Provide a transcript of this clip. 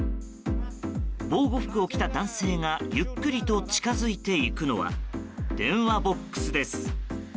防護服を着た男性がゆっくりと近づいていくのは電話ボックスです。